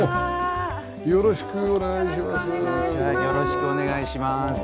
よろしくお願いします。